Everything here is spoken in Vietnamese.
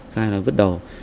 khai vứt đầu